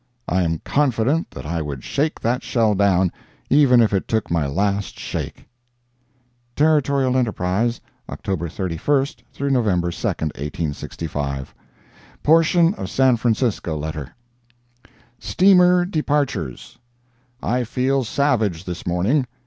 I am confident that I would shake that shell down, even if it took my last shake. Territorial Enterprise, October 31 November 2, 1865 [portion of San Francisco letter] STEAMER DEPARTURES I feel savage this morning.